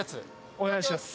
お願いします